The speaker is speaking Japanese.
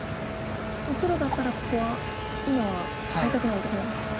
もうプロだったらここは今はハイたくところなんですか。